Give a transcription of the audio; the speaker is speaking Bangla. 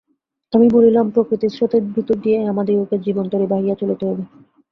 আমি বলিলাম, প্রকৃতির স্রোতের ভিতর দিয়াই আমাদিগকে জীবনতরী বাহিয়া চলিতে হইবে।